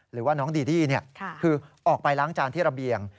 หรือว่าน้องดีดี้คือออกไปล้างจานที่ระเบียง